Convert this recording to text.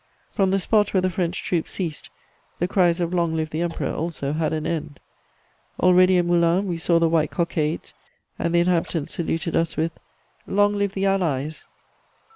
"From the spot where the French troops ceased, the cries of 'Long live the Emperor!' also had an end. Already in Moulins we saw the white cockades, and the inhabitants saluted us with 'Long live the Allies!'